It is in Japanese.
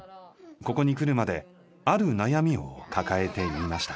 ここに来るまである悩みを抱えていました。